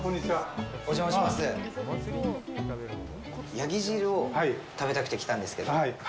山羊汁を食べたくて来たんですけど。